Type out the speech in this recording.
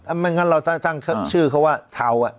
ไม่งั้นเราตั้งชื่อเขาว่าเทา